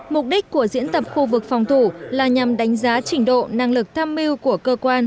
mục đích của diễn tập khu vực phòng thủ là nhằm đánh giá trình độ năng lực tham mưu của cơ quan